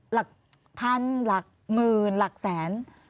หลักพันหลักหมื่นหลักแสน